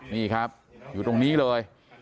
นี่ครับอยู่ตรงนี้เลย